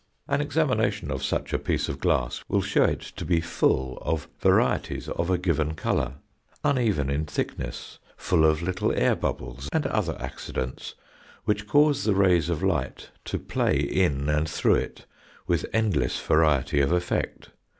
An examination of such a piece of glass will show it to be full of varieties of a given colour, uneven in thickness, full of little air bubbles and other accidents which cause the rays of light to play in and through it with endless variety of effect.